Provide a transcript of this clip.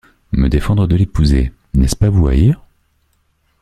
Me défendre de l’épouser, n’est-ce pas vous haïr?